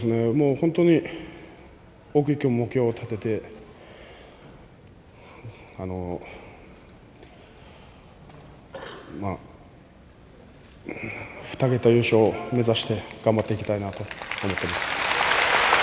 本当に大きい目標を立てて２桁優勝を目指して頑張っていきたいなと思います。